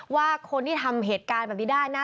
ว่าคนที่ทำเหตุการณ์แบบนี้ได้นะ